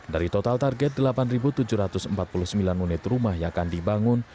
dari total target delapan tujuh ratus empat puluh sembilan unit rumah yang akan dibangun